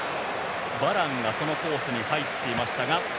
バランがコースに入ってましたが。